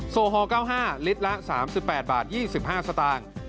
โซฮอล๙๕ลิตรละ๓๘บาท๒๕สตางค์